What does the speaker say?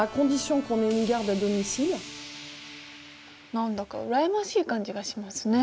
何だか羨ましい感じがしますね。